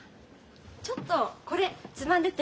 ちょっとこれつまんでて。